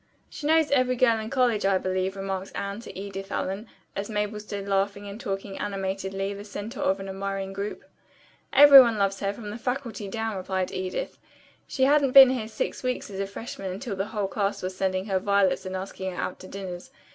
"She knows every girl in college, I believe," remarked Anne to Edith Allen, as Mabel stood laughing and talking animatedly, the center of an admiring group. "Every one loves her from the faculty down," replied Edith. "She hadn't been here six weeks as a freshman until the whole class was sending her violets and asking her out to dinners.